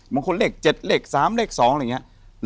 บางคนเลข๗เลข๓เลข๒อะไรอย่างนี้